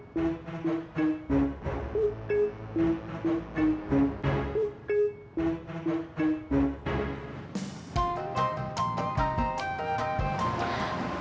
delapan kebun ketika kita bisa mencoba